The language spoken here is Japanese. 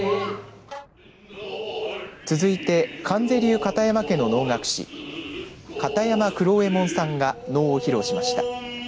続いて観世流片山家の能楽師片山九郎右衛門さんが能を披露しました。